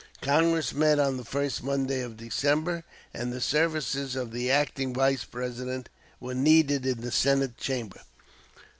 Congress met on the first Monday of December, and the services of the Acting Vice President were needed in the Senate Chamber.